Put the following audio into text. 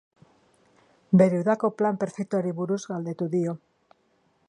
Bere udako plan perfektuari buruz galdetu dio.